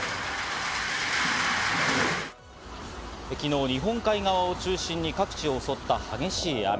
昨日、日本海側を中心に各地を襲った激しい雨。